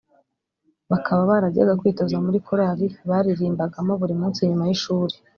bakaba barajyaga kwitoza muri chorale baririmbagamo buri munsi nyuma y’ishuri